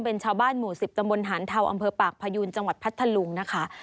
เป็นชาวบ้านหมู่๑๐ตำบลหานเทาอำเภอปากพยูนจังหวัดพัทธลุงนะคะ